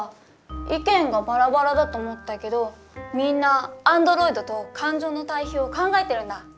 意見がばらばらだと思ったけどみんな「アンドロイド」と「感情」の対比を考えてるんだ。